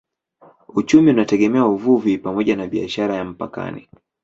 Uchumi unategemea uvuvi pamoja na biashara ya mpakani.